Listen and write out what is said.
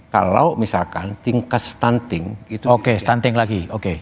kalau misalkan tingkat stunting itu oke stunting lagi